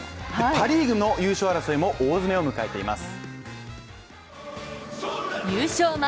パ・リーグの優勝争いも大詰めを迎えています。